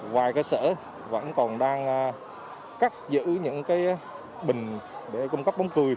vài cơ sở vẫn còn đang cắt giữ những cái bình để cung cấp bóng cười